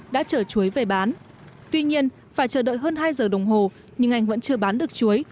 đã chở chuối về bán tuy nhiên phải chờ đợi hơn hai giờ đồng hồ nhưng anh vẫn chưa bán được chuối